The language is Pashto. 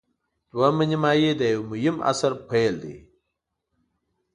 دوهمه نیمايي د یوه مهم عصر پیل دی.